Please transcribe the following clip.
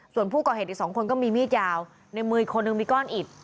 ส่วนผู้ก่อเหตุอีก๒คนก็มีมีดยาวในมืออีกคนนึงมีก้อนอิด